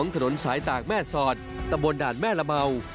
ถนนสายตากแม่สอดตำบลด่านแม่ละเมา